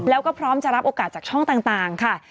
แล้วก็พร้อมจะรับโอกาสจากช่องต่างค่ะ